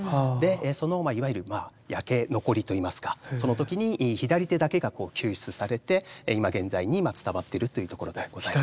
そのいわゆる焼け残りといいますかその時に左手だけが救出されて今現在に伝わっているというところでございます。